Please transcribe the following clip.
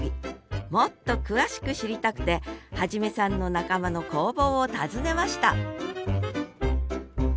もっと詳しく知りたくて元さんの仲間の工房を訪ねました